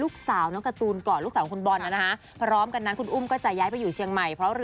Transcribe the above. คุณอุ่มก็จะย้ายไปอยู่เฉียงใหม่